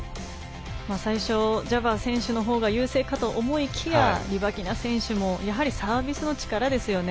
最初ジャバー選手の方が優勢かと思いきや、リバキナ選手もやはりサービスの力ですよね。